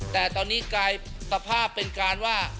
แต่ตอนนี้กลายสภาพเป็นการว่า